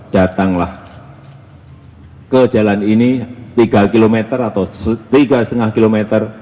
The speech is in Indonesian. datanglah ke jalan ini tiga km atau tiga lima km